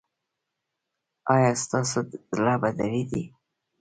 ایا ستاسو زړه به دریدي؟